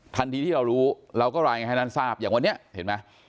ทันทีที่เรารู้เราก็รายงานให้ท่านทราบอย่างวันนี้เห็นไหม